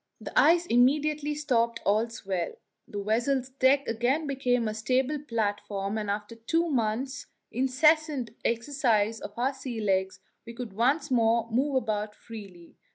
The ice immediately stopped all swell, the vessel's deck again became a stable platform, and after two months' incessant exercise of our sea legs we could once more move about freely.